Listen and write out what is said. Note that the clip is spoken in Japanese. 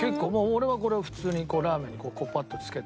俺はこれを普通にラーメンにパッとつけて。